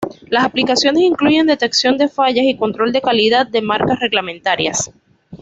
Las aplicaciones incluyen detección de fallas y control de calidad de marcas reglamentarias.